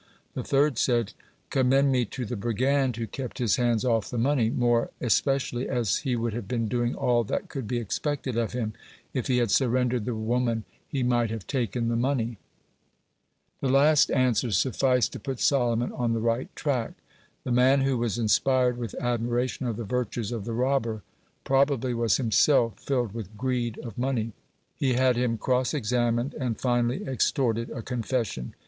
The third said: "Commend me to the brigand, who kept his hands off the money, more especially as he would have been doing all that could be expected of him if he had surrendered the woman he might have taken the money." The last answer sufficed to put Solomon on the right track. The man who was inspired with admiration of the virtues of the robber, probably was himself filled with greed of money. He had him cross examined, and finally extorted a confession.